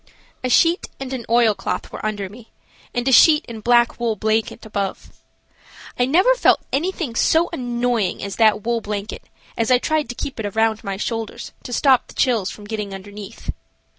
A sheet and an oilcloth were under me, and a sheet and black wool blanket above. I never felt anything so annoying as that wool blanket as I tried to keep it around my shoulders to stop the chills from getting underneath.